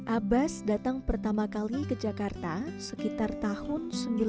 abbas datang pertama kali ke jakarta sekitar tahun seribu sembilan ratus sembilan puluh